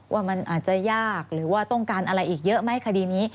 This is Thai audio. ว่ามันอาจจะยากหรือว่าต้องการอะไรอีกเยอะไหมคดีนี้